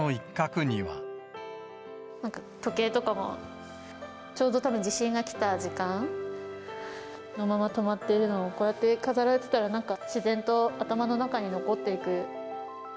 なんか時計とかも、ちょうどたぶん地震が来た時間。のまま止まっているのが、こうやって飾られてたら、なんか自然と頭の中に残っていく。